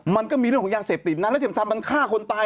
มันก็มีเรื่องของยาเสพติดนะแล้วที่สำคัญมันฆ่าคนตาย